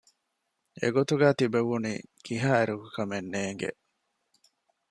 އެގޮތުގައި ތިބެވުނީ ކިހާއިރަކު ކަމެއް ނޭނގެ